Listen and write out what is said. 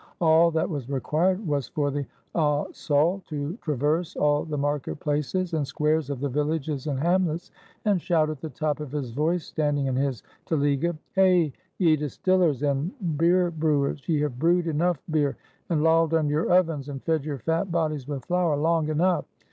All that was required was for the osaul to traverse all the market places and squares of the villages and hamlets, and shout at the top of his voice, standing in his telega, "Hey! ye distillers and beer brewers! ye have brewed enough beer, and lolled on your ovens, and fed your fat bodies with flour, long enough!